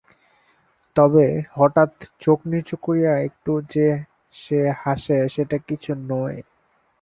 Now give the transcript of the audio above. তবে, হঠাৎ চোখ নিচু করিয়া একটু যে সে হাসে সেটা কিছু নয়।